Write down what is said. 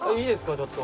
ちょっと。